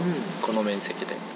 この面積で。